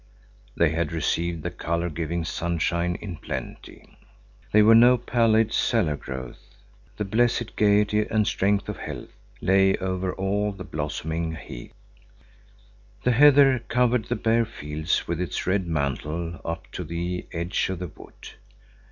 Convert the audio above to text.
They had received the color giving sunshine in plenty. They were no pallid cellar growth; the blessed gaiety and strength of health lay over all the blossoming heath. The heather covered the bare fields with its red mantle up to the edge of the wood.